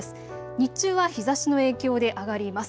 日中は日ざしの影響で上がります。